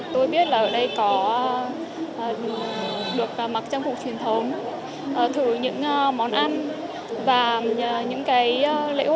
tôi biết là ở đây có được mặc trang phục truyền thống thử những món ăn và những cái lễ hội tham gia những cái hội ánh sáng rất là đặc sắc